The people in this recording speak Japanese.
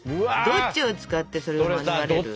どっちを使ってそれを免れる？